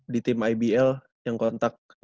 di tim ibl yang kontak